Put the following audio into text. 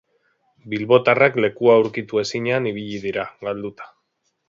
Bilbotarrak lekua aurkitu ezinean ibili dira, galduta.